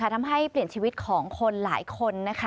ทำให้เปลี่ยนชีวิตของคนหลายคนนะคะ